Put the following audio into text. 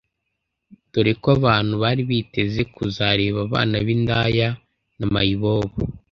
doreko abantu bari biteze kuzareba abana b’indaya na mayibobo